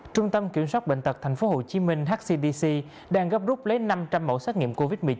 trung tâm kiểm soát bệnh tật tp hcm hcdc đang gấp rút lấy năm trăm linh mẫu xét nghiệm covid một mươi chín